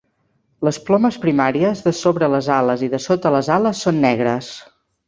Les plomes primàries de sobre les ales i de sota les ales són negres.